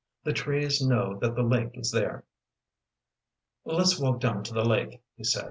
The trees know that the lake is there." "Let's walk down to the lake," he said.